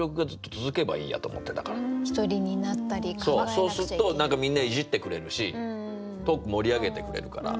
そうすると何かみんないじってくれるしトーク盛り上げてくれるから。